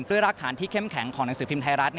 รากฐานที่เข้มแข็งของหนังสือพิมพ์ไทยรัฐ